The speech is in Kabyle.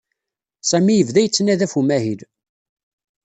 Sami yebda yettnadi ɣef umahil.